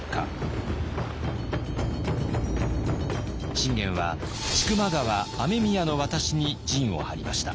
信玄は千曲川雨宮の渡しに陣を張りました。